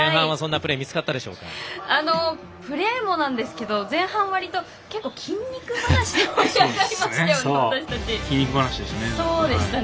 プレーもなんですけど前半、割と筋肉話で盛り上がりましたね。